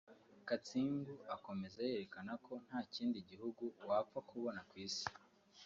Katsingu akomeza yerekana ko nta kindi gihugu wapfa kubona ku isi